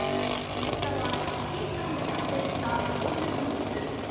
こちらはパキスタンで発生した洪水の様子。